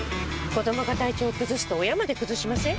子どもが体調崩すと親まで崩しません？